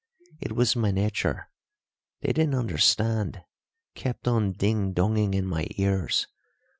It was my nature. They didn't understand kept on ding donging in my ears.